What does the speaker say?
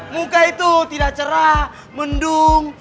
muka itu tidak cerah mendung